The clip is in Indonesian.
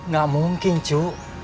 gak mungkin cu